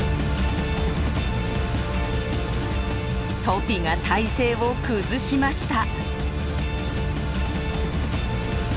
トピが体勢を崩しました。